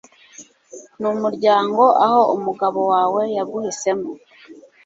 Numuryango aho umugabo wawe yaguhisemo